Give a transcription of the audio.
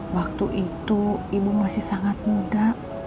waktu itu ibu masih sangat muda